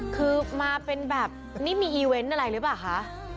คือมาเป็นแบบนี้มีอีเวนต์อะไรหรือเปล่าคะ